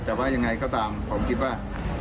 แต่ว่ายังไงก็ตามผมคิดว่า